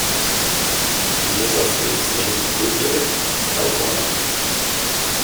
Iglesias lives in Whittier, California.